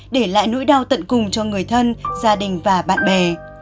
để lại nỗi đau tận cùng cho người thân gia đình và bạn bè